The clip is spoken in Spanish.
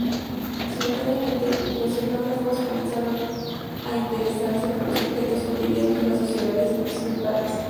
Simultáneamente, los etnógrafos comenzaron a interesarse por los objetos cotidianos de las sociedades no-occidentales.